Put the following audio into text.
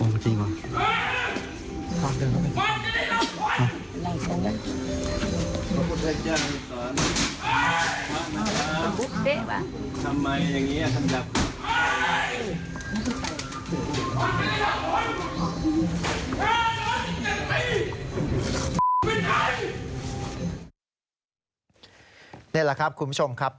นี่แหละครับคุณผู้ชมครับ